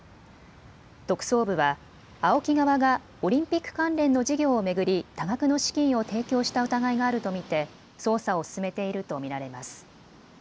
特捜部はＡＯＫＩ側がオリンピック関連の事業を巡り多額の資金を提供した疑いがあると見て捜査を進めていると見られます。